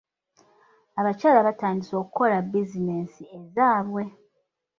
Abakyala batandise okukola bizinensi ezaabwe.